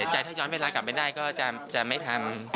เศรษฐ์ใจถ้าย้อนเวลากลับไม่ได้ก็จะไม่ทำ